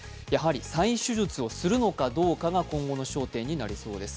再手術をするかどうかが今後の焦点になりそうです